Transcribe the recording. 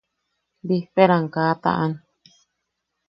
Bijpeeram kaa taʼan.